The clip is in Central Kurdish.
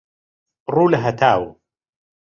ڕوو لە هەتاو